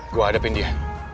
gue hadapin dia